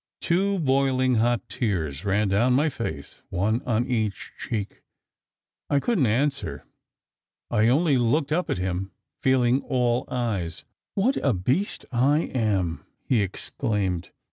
Two boiling hot tears ran down my face, one on each cheek. I couldn t answer. I only looked up at him, feeling all eyes. " What a beast I am!" he exclaimed.